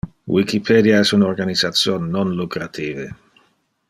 Wikipedia es un organisation non-lucrative.